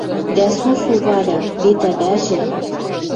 Дӓ сусу Варя: вет ӓвӓжӹ